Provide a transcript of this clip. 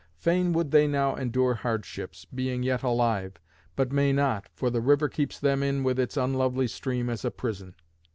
Fain would they now endure hardships, being yet alive, but may not, for the river keeps them in with its unlovely stream as in a prison.